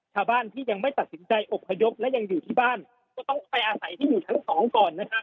ชาวบ้านที่ยังไม่ตัดสินใจอบพยพและยังอยู่ที่บ้านก็ต้องไปอาศัยที่อยู่ชั้นสองก่อนนะฮะ